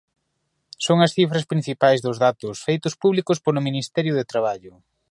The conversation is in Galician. Son as cifras principais dos datos feitos públicos polo Ministerio de Traballo.